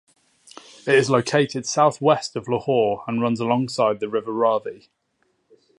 It is located south west of Lahore and runs alongside the River Ravi.